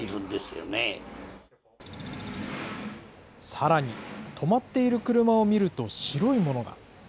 さらに、止まっている車を見ると白いものが。